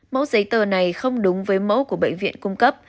mẫu giấy tờ này không đúng với mẫu của bệnh viện cung cấp